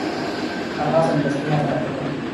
هغه سمدستي حرکت وکړ.